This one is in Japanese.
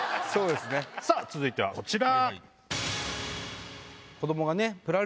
続いてはこちら。